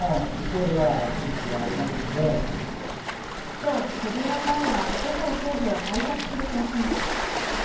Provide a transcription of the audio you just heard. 今日、セブン＆アイはそごう・西武を売却する方針です。